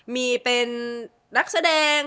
มีเป็นนักแสดง